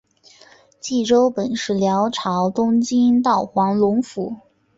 济州本是辽朝东京道黄龙府。